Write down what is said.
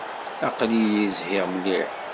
Aql-iyi zhiɣ mliḥ.